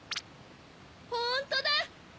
ホントだ！